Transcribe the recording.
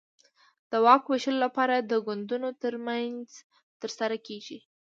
د واک وېشلو لپاره د ګوندونو ترمنځ ترسره کېږي.